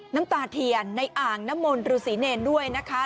น้ำตาเทียนในอ่างน้ำมนต์ฤษีเนรด้วยนะคะ